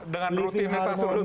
dengan rutinitas rutin